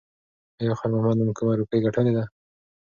ایا خیر محمد نن کومه روپۍ ګټلې ده؟